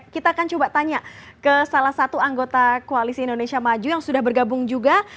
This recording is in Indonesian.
kita akan coba tanya ke salah satu anggota koalisi indonesia maju yang sudah bergabung juga